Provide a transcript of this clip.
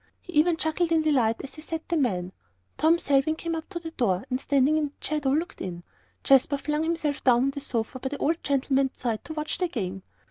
He even chuckled in delight as he set the men. Tom Selwyn came up to the door, and standing in its shadow, looked in. Jasper flung himself down on the sofa by the old gentleman's side to watch the game.